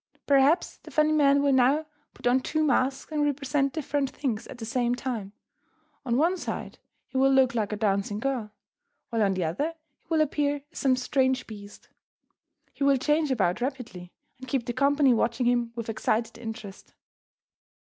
Perhaps the funny man will now put on two masks and represent different things at the same time, on one side he will look like a dancing girl, while on the other he will appear as some strange beast. He will change about rapidly, and keep the company watching him with excited interest.